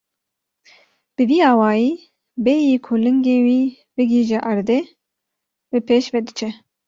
Bi vî awayî bêyî ku lingê wî bighêje erdê, bi pêş ve diçe.